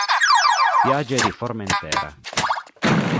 Spiagge di Formentera